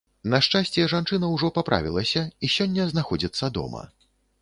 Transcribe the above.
На шчасце, жанчына ўжо паправілася і сёння знаходзіцца дома.